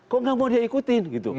kok gak mau dia ikutin gitu